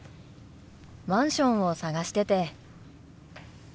マンションを探してて。